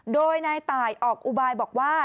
โดยนายตายออกอุบายบอกว่า